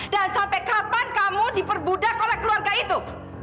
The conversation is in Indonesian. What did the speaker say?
sampai kapan kamu diperbudak oleh keluarga itu